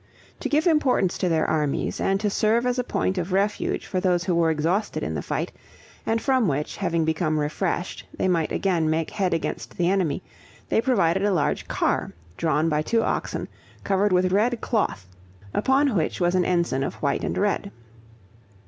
To give importance to their armies, and to serve as a point of refuge for those who were exhausted in the fight, and from which, having become refreshed, they might again make head against the enemy, they provided a large car, drawn by two oxen, covered with red cloth, upon which was an ensign of white and red.